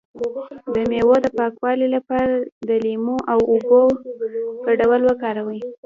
د میوو د پاکوالي لپاره د لیمو او اوبو ګډول وکاروئ